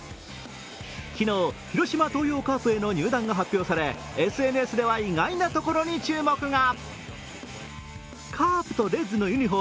昨日、広島東洋カープへの入団が発表され、ＳＮＳでは意外なところに注目が。